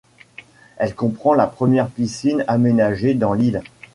Elle comprend la première piscine aménagée dans l’île.